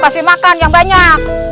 kasih makan yang banyak